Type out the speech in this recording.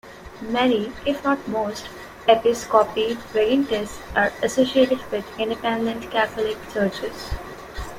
Many, if not most, "episcopi vagantes" are associated with Independent Catholic Churches.